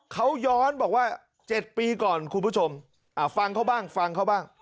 เขาย้อนบอกว่า๗ปีก่อนคุณผู้ชมฟังเขาบ้าง